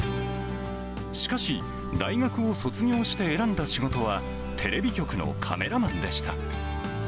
しかし、大学を卒業して選んだ仕事は、テレビ局のカメラマンでした。